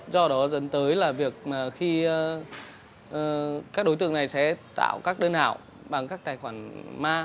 do đó dẫn tới là việc khi các đối tượng này sẽ tạo các đơn ảo bằng các tài khoản ma